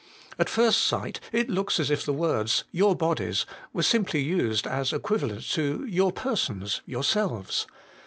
At first sight it looks as if the word, your bodies, were simply used as equivalent to, your persons, yourselves.